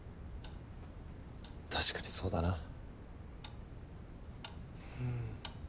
確かにそうだな。